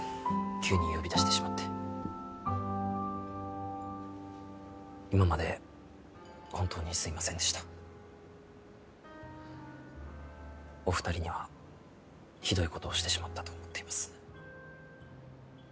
急に呼び出してしまって今まで本当にすいませんでしたお二人にはひどいことをしてしまったと思っています